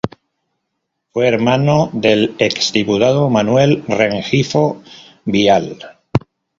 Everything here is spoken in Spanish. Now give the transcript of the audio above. Fue hermano del exdiputado Manuel Rengifo Vial.